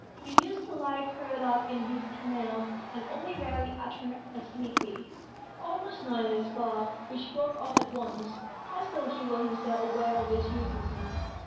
He used to lie curled up in his kennel, and only rarely uttered a sleepy, almost noiseless bark, which broke off at once, as though he were himself aware of its uselessness.